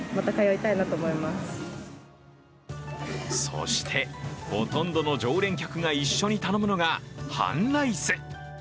そして、ほとんどの常連客が一緒に頼むのが半ライス。